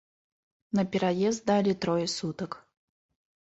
На пераезд далі трое сутак.